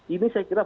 ini saya kira bukan